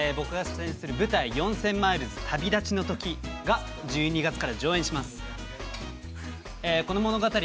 ◆舞台「４０００マイルズ旅立ちの時」が１２月から上演します。